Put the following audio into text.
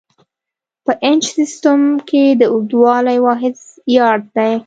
په انچ سیسټم کې د اوږدوالي واحد یارډ دی.